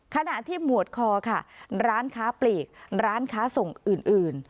ขณะที่หมวดคอค่ะร้านค้าปลีกร้านค้าส่งอื่น